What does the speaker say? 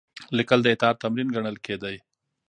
لیکل د اطاعت تمرین ګڼل کېده.